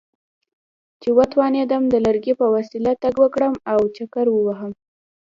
چې وتوانېدم د لرګي په وسیله تګ وکړم او چکر ووهم.